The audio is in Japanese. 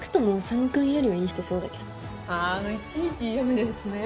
あのいちいち嫌みなやつね。